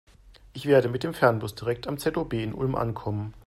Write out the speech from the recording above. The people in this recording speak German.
Ich werde mit dem Fernbus direkt am ZOB in Ulm ankommen.